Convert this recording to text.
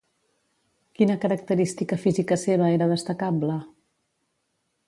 Quina característica física seva era destacable?